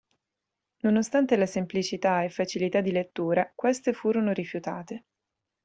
Nonostante la semplicità e facilità di lettura, queste furono rifiutate.